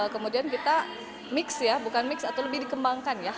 kemudian kita mix ya bukan mix atau lebih dikembangkan ya